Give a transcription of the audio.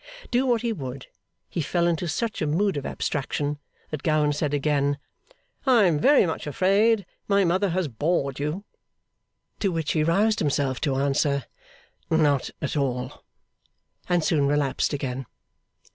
Do what he would, he fell into such a mood of abstraction that Gowan said again, 'I am very much afraid my mother has bored you?' To which he roused himself to answer, 'Not at all!' and soon relapsed again.